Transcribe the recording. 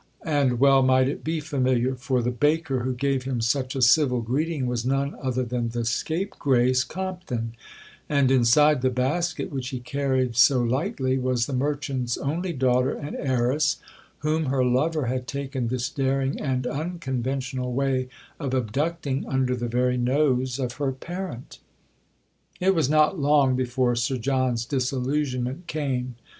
And well might it be familiar; for the baker who gave him such a civil greeting was none other than the scapegrace, Compton; and inside the basket, which he carried so lightly, was the merchant's only daughter and heiress, whom her lover had taken this daring and unconventional way of abducting under the very nose of her parent. It was not long before Sir John's disillusionment came.